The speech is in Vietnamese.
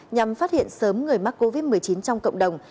nhằm phát hiện sớm người mắc covid một mươi chín trong cộng đồng